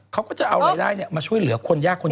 เขาก็จะเอารายได้มาช่วยเหลือคนยากคนนี้